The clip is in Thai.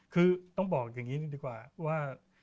คือต้องบอกอย่างนี้ดีกว่าว่า